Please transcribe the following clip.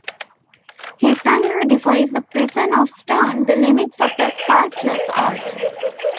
His anger defies the prison of stone, the limits of the sculptor's art.